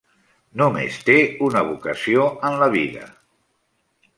Només té una vocació en la vida: